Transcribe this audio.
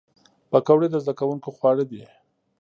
پکورې د زدهکوونکو خواړه دي